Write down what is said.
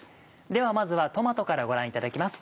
ではまずはトマトからご覧いただきます。